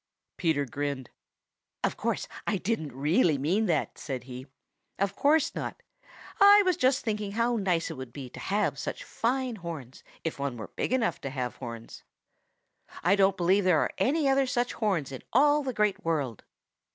Peter grinned. "Of course I didn't really mean that," said he. "Of course not. I was just thinking how nice it would be to have such fine horns, if one were big enough to have horns. I don't believe there are any other such horns in all the Great World."